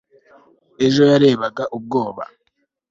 ejo yarebaga ubwoba